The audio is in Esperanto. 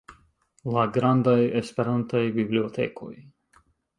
La grandaj Esperantaj bibliotekoj.